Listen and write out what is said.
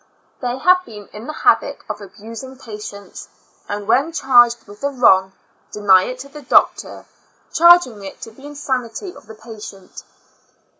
They have been in the habit of abusing patients, and when charged with the wrong, deny it to the doctor, charging it to the insanity of the patient.